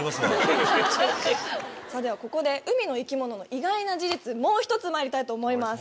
さぁではここで海の生き物の意外な事実もう一つまいりたいと思います。